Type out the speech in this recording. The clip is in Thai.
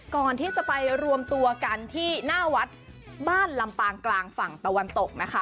ก่อนที่จะไปรวมตัวกันที่หน้าวัดบ้านลำปางกลางฝั่งตะวันตกนะคะ